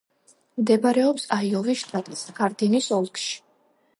მდებარეობს აიოვის შტატის ჰარდინის ოლქში.